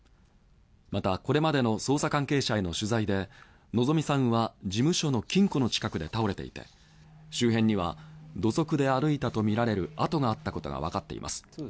また、これまでの捜査関係者への取材で希美さんは事務所の金庫の近くで倒れていて周辺には土足で歩いたとみられる跡があったことがわかっています。